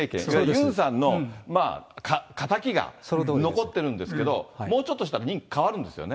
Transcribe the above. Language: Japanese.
ユンさんの敵が残ってるんですけど、もうちょっとしたら任期変わるんですよね。